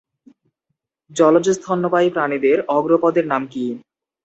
জলজ স্তন্যপায়ী প্রাণিদের অগ্রপদের নাম কী?